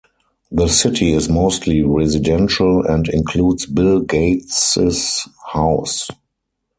The city is mostly residential and includes Bill Gates's house.